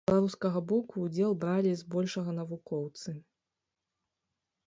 З беларускага боку ўдзел бралі збольшага навукоўцы.